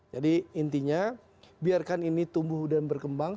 jadi intinya biarkan ini tumbuh dan berkembang